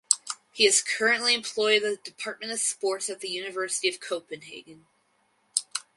He is currently employed at the Department of Sports at the University of Copenhagen.